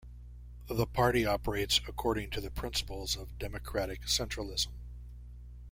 The party operates according to the principles of democratic centralism.